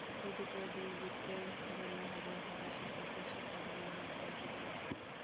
কতিপয় দুর্বৃত্তের জন্য হাজার হাজার শিক্ষার্থীর শিক্ষাজীবন ধ্বংস হতে দেওয়া যায় না।